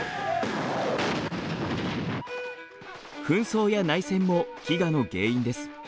紛争や内戦も飢餓の原因です。